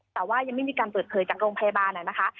แต่ว่ายังไม่มีการเปิดเผยจากโรงพยาบาลนะคะ